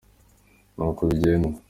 nuku bigenda.